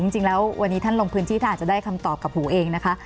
จริงแล้ววันนี้ท่านลงพื้นที่ท่านอาจจะได้คำตอบกับหูเองนะคะ